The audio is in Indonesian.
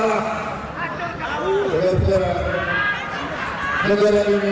negara ini bisa punah